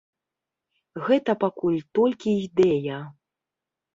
Гэта пакуль толькі ідэя.